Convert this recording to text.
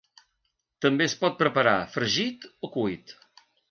També es pot preparar fregit o cuit.